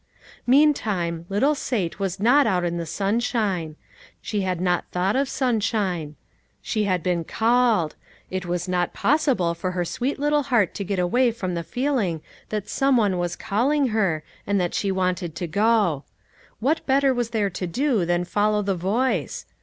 Meantime, little Sate was not out in the sunshine. She had not thought of sun Rhine ; she had been called ; it was not possible for her sweet little heart to get away from the feeling that some one was calling her, and that she wanted to go. What better was there to do than follow the voice